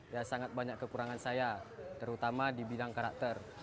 ya sangat banyak kekurangan saya terutama di bidang karakter